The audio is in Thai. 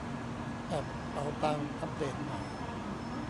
แอปเป๋าตังอัปเดตใหม่